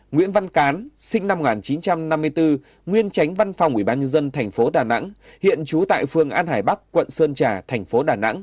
nguyễn văn cán sinh năm một nghìn chín trăm năm mươi bốn nguyên tránh văn phòng ủy ban nhân dân tp đà nẵng hiện trú tại phường an hải bắc quận sơn trà tp đà nẵng